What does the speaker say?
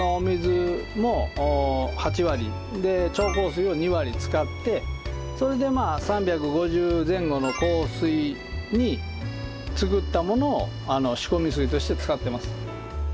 それを６７の使ってそれで３５０前後の硬水に作ったものを仕込み水として使ってます。